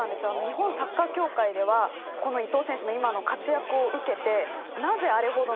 日本サッカー協会ではこの伊東選手の今の活躍を受けて。